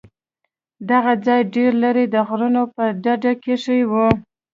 دغه ځاى ډېر لرې د غرونو په ډډه کښې و.